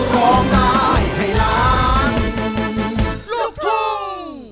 ร้องได้ให้ล้านลูกทุ่ง